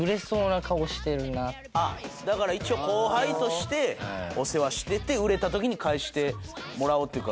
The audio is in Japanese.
ああだから一応後輩としてお世話してて売れた時に返してもらおうというか。